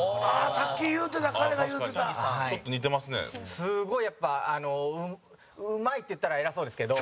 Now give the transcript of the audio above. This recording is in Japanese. すごい、やっぱ、あのうまいって言ったら偉そうですけど。